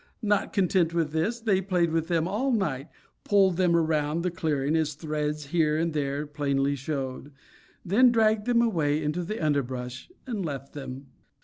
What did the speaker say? Not content with this, they played with them all night; pulled them around the clearing, as threads here and there plainly showed; then dragged them away into the underbrush and left them.